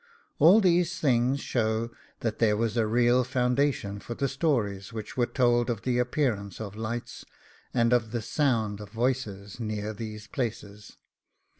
All these things show that there was a real foundation for the stories which were told of the appearance of lights, and of the sounds of voices, near these places.